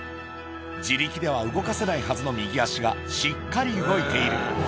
自力では動かせないはずの右足が、しっかり動いている。